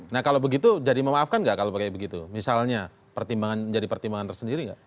nah kalau begitu jadi memaafkan nggak kalau kayak begitu misalnya pertimbangan menjadi pertimbangan tersendiri nggak